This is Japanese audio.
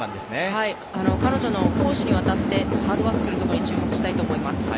彼女の公私にわたってハードワークするところに注目したいと思います。